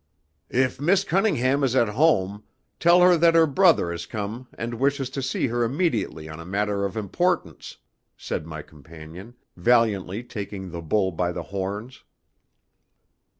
"If Miss Cunningham is at home, tell her that her brother has come and wishes to see her immediately on a matter of importance," said my companion, valiantly taking the bull by the horns.